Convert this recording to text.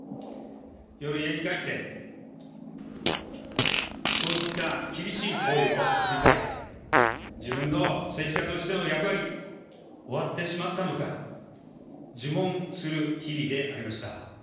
夜家に帰って、そういった厳しい声を振り返り、自分の政治家としての役割、終わってしまったのか、自問する日々でありました。